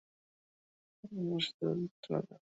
তিনি অস্বস্তি বোধ করতে লাগলেন।